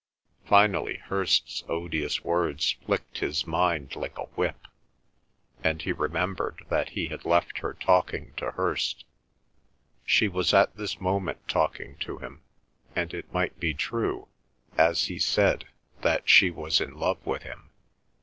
Finally, Hirst's odious words flicked his mind like a whip, and he remembered that he had left her talking to Hirst. She was at this moment talking to him, and it might be true, as he said, that she was in love with him.